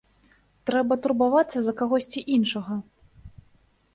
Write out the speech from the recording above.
Трэба турбавацца за кагосьці іншага.